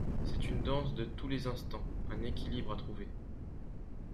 C’est une danse de tous les instants, un équilibre à trouver.